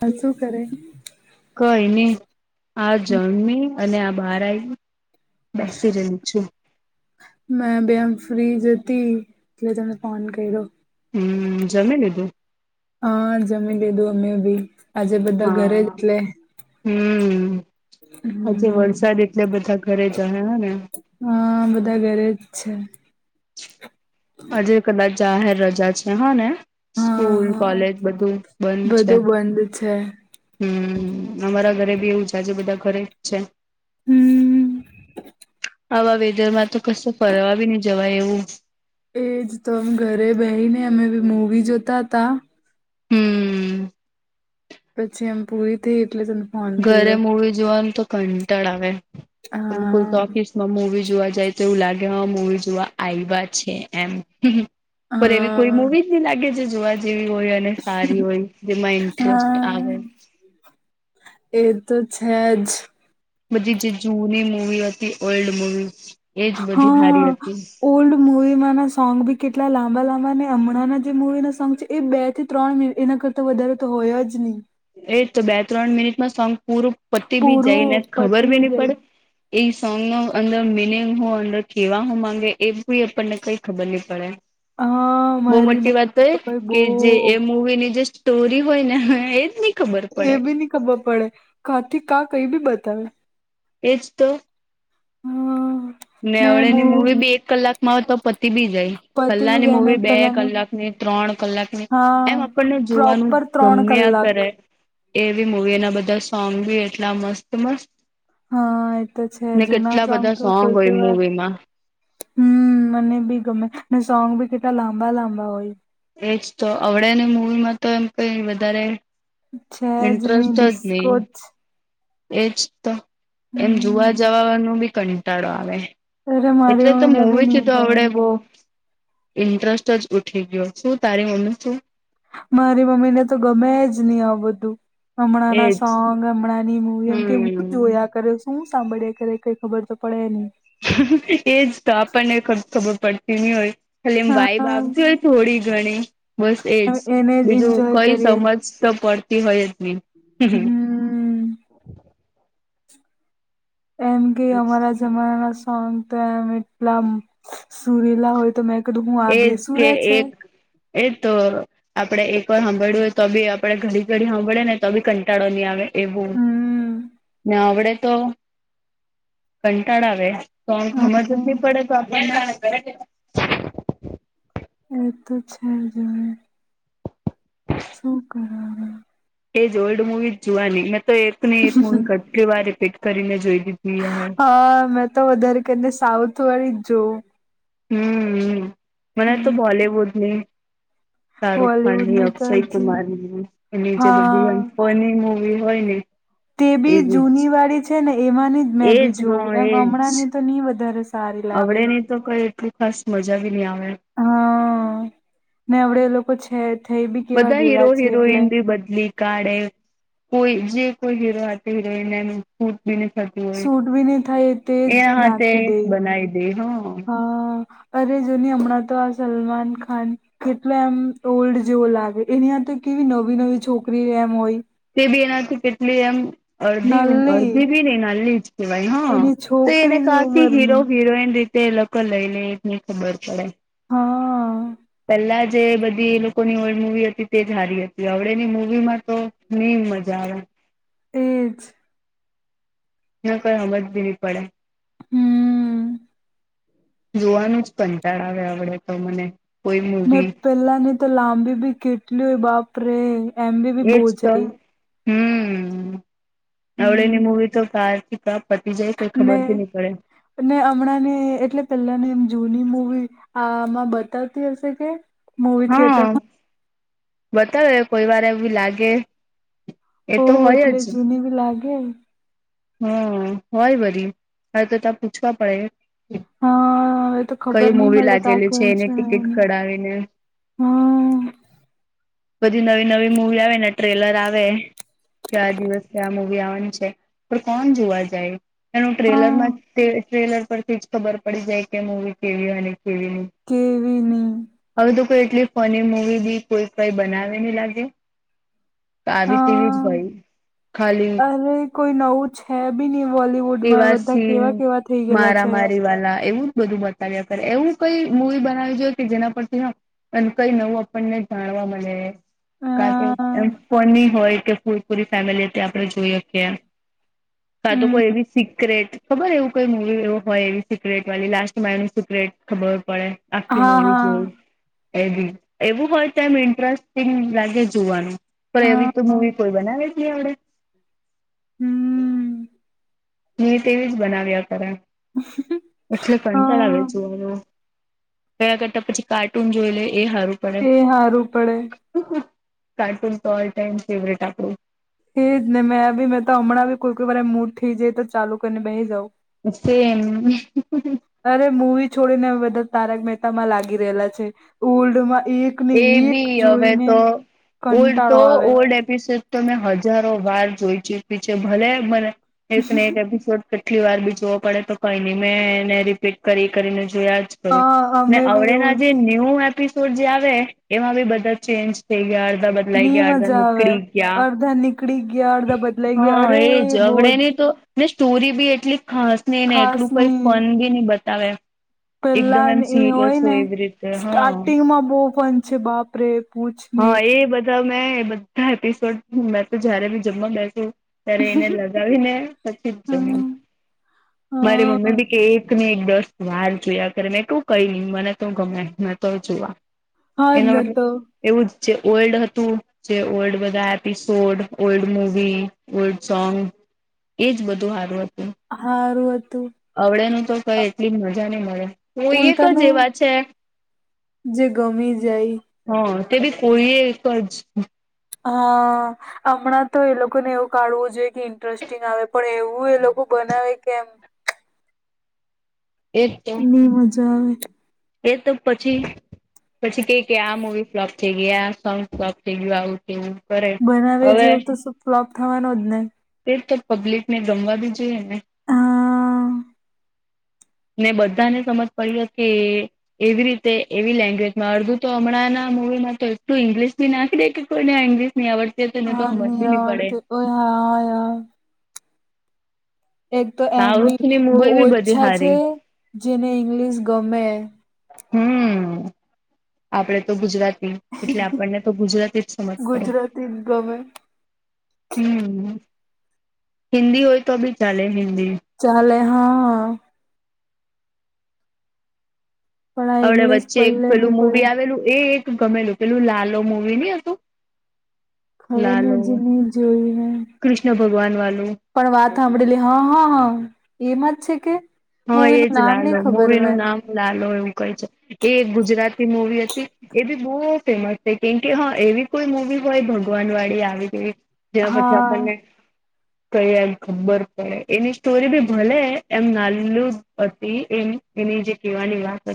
હજું કરે. કઈને આ જન્મે, અને આ બહાર આઈ. બેસી રહ્યું છું. મેં આ બેઆમ ફ્રી જતી, એટલે તમે ફોન કર્યો. હમ, જમી લીધું. હા, જમીન લીધું, અમે ભી. હા હા હમ હમ. હજે હમ વરસાદ એટલે બધા ઘરે જ હ ને. હા, બધા ઘરે જ છે. આજે કદાચ જાહેર રજા છે. હા ને, હા હા સ્કૂલ-કોલેજ બધું બંધ છે. બધું બંધ છે. હમ, અમારા ઘરે બી એવું છે, આજે બધા ઘરે જ છે. હમ. આવા વેધર માંતો કશું ફરવા બી નહી જવાય એવું. એજ તો, અમ ઘરે બેહીને, અમે બી મૂવી જોતાતા. હમ. પછી એમ પૂરી થઈ, એટલે તને ફોન ઘરે કર્યો મૂવી જોવાનું તો કંટાળ આવે, એવું હા કોઈ તો કેસમાં મૂવી જોવા જાય, તો એઉ લાગે કે મુવી જોવા આય્વા છે એમ. પણ એવી હા કોઈ મુવી જ નહી લાગે, જે જોવા જેવી હોય. ટલે સારી હોય, જેમાં ઇન્ટરસ્ટ હા આવે. એ તો છે જ. બધી જે જૂની મૂવી હતી ઓલ્ડ મુવી. હા, ઓલ્ડ મૂવીમાં ના ના, સોંગ બી કેટલા લાંબા-લાંબા, અને હમણાંના જે મુવી ના સોંગ છે, એ બે થી ત્રણ મિનિ એના કર તો વધારે તો હોય જ નહી. એ તો બે-ત્રણ મિનિટમાં સોંગ પૂરું પતી બી જાયને, પૂરું ખબર પતી બી નહી જાય પડે. એ સોંગ નો અંદર મિનિંગ હું અંદર કેવા હું માંગે એ બી, આપણને કઈ ખબર નહી પડે. હા બહુ મારી મોટી વાત મમ્મી તો, એ ભાઈ બો કે જે એ મૂવી ની જે સ્ટોરી હોય ને એ. એ બી નહી ખબર પડે, કાથી કા કઈ બી બતાવે. એજ તો. હમ. નેવડે ની મૂવી બી એક કલાક માં હો, તો પતિ બી પતી બી પેલાની જાયને મૂવી બે પેલાની કલાક ની, ત્રણ કલાક ની, એમ હા આપણને જોવાનું પ્રોપર ત્રણ ગમ્યા કલાક કરે, એવી મૂવી એના બધા સોંગ બી એટલા મસ્ત-મસ્ત હા, એ તો છે, જુના સામ તો સોંગ કોઈ હોય પણ વાત મૂવીમાં હમ, મને બી ગમે, અને સોંગ બી કેટલા લાંબા-લાંબા હોય. એજ તો અવડે ને, મૂવીમાં તો એમ કઈ વધારે છે જ નહી ઇન્ટરસ્ટ જ ડિસ્કો નહી. જ એજ તો, એમ જોવા હમ જવાવાનું બી કંટાળો આવે. અરે મારી એટલે તો મમ્મીને બી નહી મૂવીથી તો ગમે અવડે બહુ ઇન્ટરસ્ટ જ ઉઠી ગિયો. શું તારી મમ્મી [unintelligible] મારી મમ્મી ને તો ગમે જ નહીં આવું બધું. હમણાં ના એજ સોંગ, હમણાં ની મૂવીઓ. કહે હું હમ જોયા કરે, શું સાંભળ્યા કરે, કંઈ ખબર તો પડે નહી. એજ તો. આપણને ખબ ખબર પડતી નહીં હોય. ખાલી એમ વાઈબ આવતી હા હોય થોડીક. ગણી, બસ એજ. એને જ બીજું એન્જોય કંઈ સમજ તો પડતી હોય જ નહીં. હમ્મ. એમ કે અમારા જમાના ના સોંગ તો એમ એટલા આમ સુરીલા હોય. તો મે કીધું હું આ કે બેસુંરે છે? એક એજ તો. આપણે એક વાર હાંભળ્યું હોય તો બી આપણે ઘડી-ઘડી હાંભળે ને તો બી કંટાળો ની આવે એવું. હમ ને આવડે તો [inaudible] કંટાળો આવે, સોંગ હમજ જ હા ની પડે તો આપણને. એ તો છે જ હવે. શું કરવાનું? એજ ઓલ્ડ મુવી જ જોવાની. મેં તો એક ની એક મુવી કેટલી વાર રિપીટ કરીને જોઈ લીધી હવે. અહ મેં તો વધારે કરીને સાઉથ વાળી જ જોઉં. હમ્મ-હમ્મ. મને તો હમ બોલીવુડની શાહરુખ ખાન ની, બોલીવુડની તો અક્ષય હજી કુમારની એની જે બધી હા હોય. [unintelligible] વી હોય ને તે બી એવી જ જૂની વાળી છે ને, એમાંની જ મેં એજ બી જોવું. હા એમ એજ હમણાં ની તો ની વધારે સારી લાગે આવડે નહીં તો કંઈ એટલું ખાસ મજા બી ની આવે. હા. ને અવડે એ લોકો છે જ. બધાઈ હીરો-હિરોઈન બી બદલી કાડે, કોઈ જે કોઈ હીરો હતી હીરોઈન એનું સૂટ બી ની થતું હોય. સૂટ બી ની થાય તે એ જ હાથે બનાઈ દે હ. અહ અરે જોને હમણાં તો આ સલમાન ખાન કેટલા એમ ઓલ્ડ જેવો લાગે, એની આતે કેવી નવી-નવી છોકરી એમ હોય. તે બી એનાથી કેટલી એમ અડધી ઉંમ, નલ્લી અડધી બી નહીં નનલી જ કહેવાય હ. એની તો એને છોકરીની કાંથી ઉંમરની હીરો-હિરોઈન રીતે એ લોકો લઈ લે, એજ ની ખબર પડે. હા. પહેલા જે બધી એ લોકોની ઓલ્ડ મુવી હતી તે જ હારી હતી. હવણેની મૂવી માં તો ની મજા આવે. ઈજ. ને કંઈ હમજ બી ની પડે. હમ્મ. જોવાનું જ કંટાળ આવે હવડે તો મને. કોઈ ને મૂવી પેલા ની તો લાંબી બી કેટલી હોય બાપ રે. એજ તો, હમ્મ. હમ હવણેની મુવી તો કારથી કા પતી જાય, કંઈ ને ખબર ભી ની પડે. ને હમણાં ની એટલે પહેલાની એમ જૂની મૂવી આમાં બતાવતી હશે કે? મૂવી હા. થિયેટરમાં બતાવે કોઈ વાર એવી લાગે એ તો ઓહ! હોય એટલે જૂની બી લાગે. હમ્મ. હોય વળી. હવે તો તા પૂછવા પડે. હા. હવે તો કઈ ખબર ની મૂવી મલે તો આ લાગેલી કોણ એની છે ટિકિટ આમ, કઢાવીને હમ્મ. બધી નવી-નવી મુવી આવે ને, ટ્રેલર આવે. કે આ દિવસે આ મુવી આવવાની છે. પણ કોણ જોવા જાય? એનું ટ્રેલર માં હા જ તે ટ્રેલર પરથી જ ખબર પડી જાય કે મૂવી કેવી, અને- - કેવી નહીં. કેવી નહી હવે તો તો એટલી ફની મુવી બી કોઈ કંઈ બનાવે નહી લાગે. આવી તેવી જ હા હોય. ખાલી અરે કોઈ નવું છે બી નહીં બોલવુડ માં. એવા બધા સીન કેવા-કેવા મારા મારી વાલા, એવું જ બધું બત તાવ્યા કરે. એવું કંઈ મુવી બનાવવી જોઈએ કે જેના પરથી આમ અને કંઈ નવું આપણને જાણવા મલે, કાર કે એમ ફની હોય કે [unintelligible] પૂરી ફેમિલી ત્યાં આપણે જોઈ હકીએ. કાં તો કોઈ એવી સિક્રેટ, ખબર એવું કોઈ મૂવી એવું હોય એવી સિક્રેટ વાલી, લાસ્ટ માં એનું સિક્રેટ ખબર પડે. આખી હા, મૂવી જોઈ. એ બી. એવું હોય તો એમ ઇન્ટરેસ્ટિંગ લાગે જોવાનું. પણ હા, એવી તો હા. મૂવી કોઈ બનાવે જ નહીં હવડે. હમ્મ. ને તેવી જ બનાવ્યા કરે. પછી કંટાળો આવે હા, જોવાનો. એના કરતા પછી કાર્ટૂન જોઈ લેઈ એ હારું. પડે તે હારું પડે. કાર્ટૂન તો ઓલ ટાઈમ ફેવરેટ આપડું. એજ ને. મેં બી. મેં તો હમણાં બી કોઈ-કોઈ વાર એમ મૂડ જાય તો ચાલુ કરીને બેહી જઉં. સેમ. અરે મુવી છોડીને હવે બધા તારક મહેતામાં લાગી રહેલા છે. ઓલ્ડમાં એક ને એ એક બી હવે જોઈને તો. ઓલ્ડ તો કંટાળો આવે. ઓલ્ડ એપ પિસોડ તો મેં હજારો વાર જોઈ ચુકી છે. ભલે મને એકને એક એપિસોડ કેટલી વાર બી જોવો પડે તો કંઈ નહીં. મેં એને રિપીટ કરી-કરીને જોયા જ કરું. હા, ને અમે બી અવડેના એવું જે જ ન્યૂ એપિસોડ જે આવે એમાં બી બધા ચેન્જ થઈ ગયા. અડધા બદલાઈ ની ગયા, અડધા મજા આવે. નીકળી ગયા. અડધા નીકળી ગયા, અડધા બદલાઈ ગયા હા અરે એ જ. અવડે બોજ ને તો ને સ્ટોરી બી એટલી ખાસ નહીં, ને ખાસ એટલું કંઈ ફન બી ની બતાવે. એકદમ પહેલાન એમ એ સિરિયસ હોયને, હોય એવી રીતે હા સ્ટાર્ટિંગ માં બહુ ફન છે બાપ રે. હા એ બધા મેં બધા એપિસોડ મે તો જયારે બી જમવા બેસુ ત્યારે એને લગાવી ને પછી જ જમું. હમ મારી હા મમ્મી બી કેઈ એકને એક દસ વાર જોયા કરે. મેં કહુ કંઈ ની, મને તો ગમે, મેં તો જોવા. હા જ એનો ને મતલબ તો એવું જ જે ઓલ્ડ હતું જે ઓલ્ડ બધા episode, old movie, old song એજ બધું હારું હતું. હારું હતું. અવડે નું તો કંઈ એટલી મજા ની મળે. હું ઈ એક જ ઉલટાનું એવા છે જે ગમી જાય હા. તે બી કોઈએ એક જ હા. હમણાં તો એ લોકો ને એવું કાઢવું જોઈએ કે ઇન્ટરેસ્ટ ટીંગ આવે. પણ એવું એ લોકો બનાવે કેમ? એક તો ની મજા આવે. એ તો પછી-પછી કેઈ કે આ મૂવી ફ્લોપ થઈ ગઈ, આ સોંગ ફ્લોપ થઈ ગયું આવું. તેવું કરે બનાવે હવે એવું તો શું ફ્લોપ થવાનું જ નહી. તે તો પબ્લિકને ગમવા બી જોઈએ ને. હા ને બધા સમજ પડી કે એવી રીતે એવી લેંગ્વેજમાં અડધું તો હમણાં મુવીમાં તો એટલું ઇંગ્લિશ બી નાખી દે કોઈ ને આ ઈંગ્લિશ નય આવડતી હોય તો એને હા તો ની સમજવી નહી પડે. આવડતું ઓય હા ઓય. એક તો એમ બી સાઉથની બોવ મુવી બી બધી ઓચ્છા છે. સારી જેને ઇંગ્લિશ ગમે હમ આપડે તો ગુજરાતી એટલે આપણને તો ગુજરાતી જ સમજ પડે. ગુજરાતી જ ગમે હમ હિન્દી હોય તો બી ચાલે હિન્દી. ચાલે હા. પણ આ અવડે ઇંગ્લિશ વચ્ચે એક પલ્લે નહી પેલું પડે મુવી આવેલું એ એક ગમેલું પેલું લાલો મુવી નહી હતું. ખબર નય લાલો હજી મેં જોયું નય. કૃષ્ણ ભગવાન વાલું પણ વાત સાંભળેલી હ હ હ. એમાં જ છે કે? હા મૂવી એજ નું નામ નહી લાલો ખબર મે મુવીનું નામ લાલો એવું કઈ છે. એ એક ગુજરાતી મુવી હતી. એ બી બો ફેમસ થઈ કેમકે હ એવી કોઈ મુવી હોય ભગવાન વાળી આવી કેવી જેના પરથી હા આપણને કઈ એમ ખબર પડે એની સ્ટોરી બી ભલે એમ ના લુ જ હતી. એ એની જે કહેવાની વાત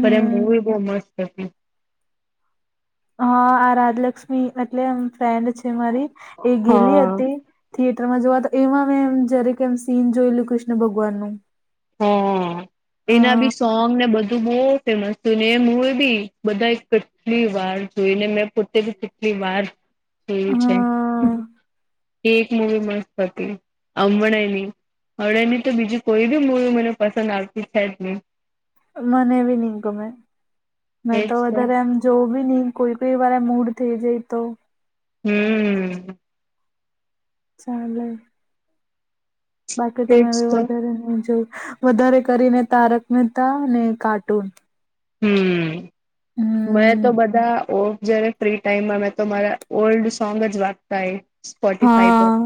હતી મુવી બોવ મસ્ત હતી. હા આ રાજલક્ષ્મી એટલે એમ ફ્રેન્ડ છે મારી એ ગેલી હા. હતી. થિયેટરમાં જોવા તો એમા મેં એમ જરીક એમ સીન જોયેલું ક્રિષ્ન ભગવાનનું હે. એના બી સોંગ ને બધું બોવ ફેમસ થયું ને એ મુવી બી બધા એ કેટલી વાર જોઈને મેં પોતે બી કેટલી વાર એવુ છે. હા એક મૂવી મસ્ત હતી અમણેની અમણેની તો બીજી કોઈ બીજું મુવી મને પસંદ આવતી છે જ નય. મને બી નય ગમે માર તો વધારે આમ. જોવ બી નય કોઈ કોઈ વાર મૂડ થઈ જાય તો હમ. હમ. ચાલે. બાકી તો મેં બી વધારે નય જોઈ વધારે કરીને તારક મહેતા અને કાર્ટૂન હમ. હમ. મેં તો બધા ઓફ જયારે ફ્રી ટાઈમમાં મેં તો મારા ઓલ્ડ સોંગ જ વાગતા હોય. સ્પોટફાઈ પર હા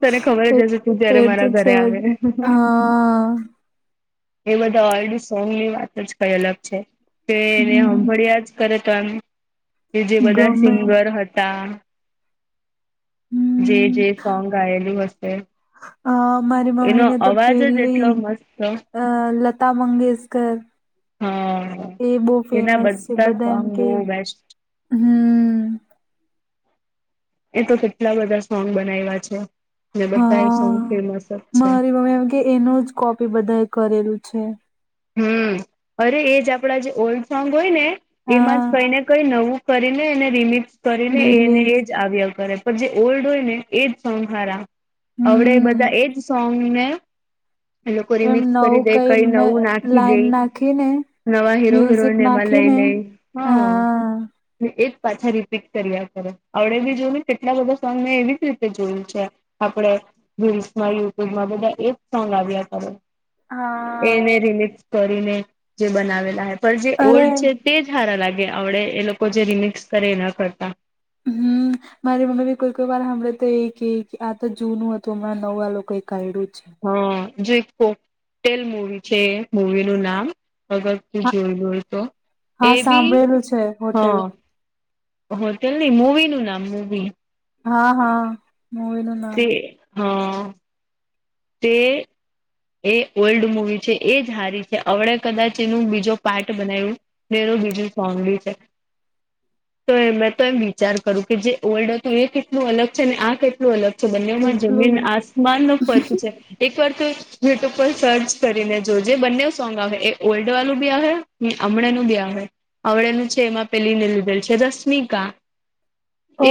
તને ખબર જ હશે તું એ એ જયારે તો મારા ઘરે છે જ આવે. [inaudible] હા [inaudible] એ બધા ઓલ્ડ સોંગની વાત જ કઈ અલગ છે. તેને હમ હાભળિયા જ કરે તો કે જે બધા ગમે સિંગર હતા. જે હમ જે સોંગ ગાયેલું હશે. હા મારી એનો મમ્મીને તો અવાજ જ એટલો પેલી મસ્ત અ લતા મંગેશકર. હા એ બોવ એના ફેમસ છે. બધા એમ સોંગ કે બહુ બેસ્ટ હમ. એ તો કેટલા બધા સોંગ બનાવ્યા છે. ને બધા એ સોંગ હા ફેમસ જ છે. મારી મમ્મી એમ કે એનું જ કોપી બધા એ કરેલું છે. હમ. અરે એજ આપડા જે ઓલ્ડ સોંગ હોય ને એમાં હા જ કઈ ને કઈ નવું કરીને એને રિમિક્સ એને રિલીઝ એજ આવ્યા કરે. પણ જે ઓલ્ડ હોય ને એજ સોંગ હારા. અવડે હમ બધા એજ સોંગ અને મે એ લોકો એમ રિમિકસ નવું કરી દે કઈ નવું ના- નાખી દે લાઈન નાખીને નવા હીરો મ્યુઝિક હિરોહીન એમાં લઈ નાખીને લઈ હ. હા અને એજ પાછા રીપીટ કર્યા કરે. અવડે બી જોની કેટલા બધા સોંગ મેં એવી જ રીતે જોયું છે. આપડે રીલ્સમાં યુટ્યુબમાં બધા એ સોંગ આવ્યા કરે. હા એને રિમિક્સ કરીને જે બનાવેલા હે પણ જે અરે ઓલ્ડ છે. તે જ હારા લાગે આવડે એ લોકો જે રિમિક્સ કરે ના કરતા હમ્મ. મારી મમ્મીની કોઈ કોઈ વાર સાંભળે તો એ કે આ તો જૂનું હતું હમણાં નવુ આ લોકો એ કાઢ્યું છે. હ જો એક કોકટેલ મુવી છે મુવીનું નામ અગર હા જોયલુ હોય તો એ હા બી સાંભળેલું છે હોટેલ હા. હોટલ નહી મુવીનું નામ મુવી. હા હા મુવી નું નામ તે હ તે એ ઓલ્ડ મુવી છે એ જ હારી છે અવડે કદાચ એનું બીજો પાર્ટ બનાવ્યું એનું બીજું સોંગ બી છે. તો મેં તો એમ વિચાર કરું કે જે ઓલ્ડ હતું એ કેટલું અલગ છે ને આ કેટલું અલગ છે તો બંનેમાં જમીન કેટલું આસમાનનો ફરક છે એકવાર તો એ યુટ્યુબ પર સર્ચ કરીને જોજે બંને સોંગ આવે એ ઓલ્ડ વાલું બી આવે ને હમણાંનું બી આવે. અવડેનું છે એમાં પેલી નીલદેલ છે રશમિકા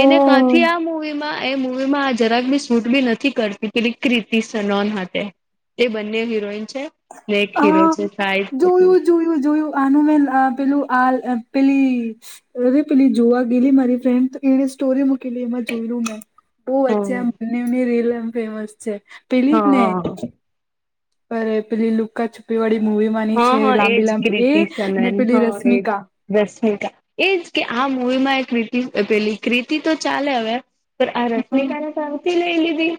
એને કાથી આ મુવીમાં એ મૂવીમાં આ જરાક બી શૂટ બી નથી કરતી પેલી ક્રીતિ સનોન માટે. એ બંને હીરોઈન છે ને એક હીરો છે શાહિદ કપૂર. નુ જોયું આનું મે પેલું આ પેલી અરે પેલી જોવા ગયેલી મારી ફ્રેન્ડ એની સ્ટોરીમાં મુકેલી એમાં જોયુ મે બઉ વચ્ચે આમ હા બનેની રીલ ફેમસ છે પેલી જ ને હા પર પેલી લુકા છુપી વાળી મૂવી માની હા છે હા એજ લાંબી લાંબી એ ને પેલી રશમિકા. રશમિકા એજ કે આ મુવી માં એક કીતિ પેલી કીર્તિ તો ચાલે હવે પણ આ હમ રશમિકાને શાંતિ લઈ લીધી?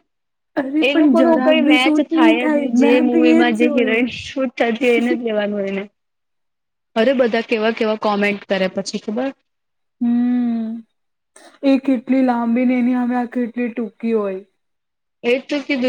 અરે એ પણ લોકોનું જરાક કઈ નઈ બી મેચ સૂટ થાય જ નહી જે મેં બી એજ મુવીમાં જે જોયું હિરોઈન શૂટ જવાનું હોય એ અરે બધા કેવા કેવા કોમેન્ટ કરે પછી ખબર? હમ્મ એ કેટલી લાંબીને એની હામે આ કેટલી ટૂંકી હોય. એ શું કીધું?